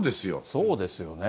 そうですよね。